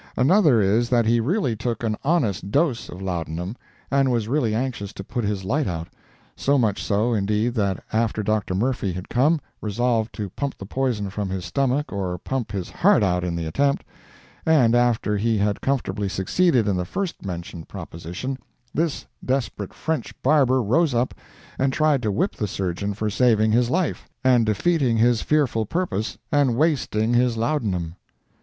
Another is, that he really took an honest dose of laudanum, and was really anxious to put his light out; so much so, indeed, that after Dr. Murphy had come, resolved to pump the poison from his stomach or pump his heart out in the attempt, and after he had comfortably succeeded in the first mentioned proposition, this desperate French barber rose up and tried to whip the surgeon for saving his life, and defeating his fearful purpose, and wasting his laudanum.